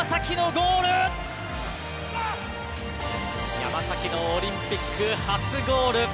やまさきのオリンピック初ゴール。